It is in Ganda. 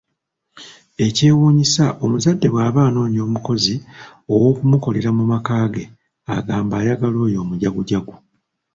Ekyewuunyisa, omuzadde bwaba anoonya omukozi ow'okumukolera mu maka ge agamba ayagala oyo omujagujagu